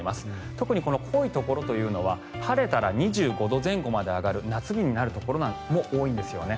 特に濃いところというのは晴れたら２５度前後まで上がる夏日になるところも多いんですよね。